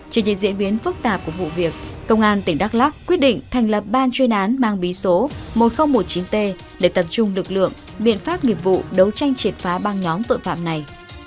trên những diễn biến phức tạp của vụ việc công an tỉnh đắk lắc quyết định thành lập ban chuyên án mang bí số một nghìn một mươi chín t để tập trung lực lượng biện pháp nghiệp vụ đấu tranh triệt phá băng nhóm tội phạm này